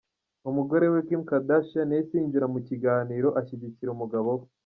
Umugore we, Kim Kardashian yahise yinjira mu kiganiro ashyigikira umugabo we.